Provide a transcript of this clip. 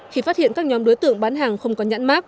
khi phát hiện các nhóm đối tượng bán hàng không có nhãn mát